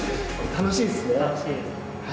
楽しいです。